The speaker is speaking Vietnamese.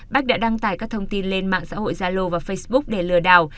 bách đã đăng tải các thông tin lên mạng xã hội zalo và facebook để lừa đảo